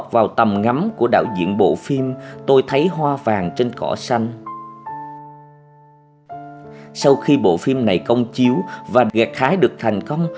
và gạt khái được thành công